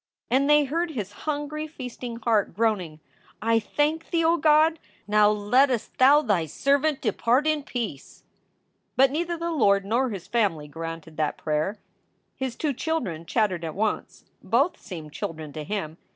And they heard his hungry, feasting heart groaning : "I thank Thee, O God! Now lettest Thou Thy servant depart in peace." But neither the Lord nor his family granted that prayer. His two children chattered at once. Both seemed children to him.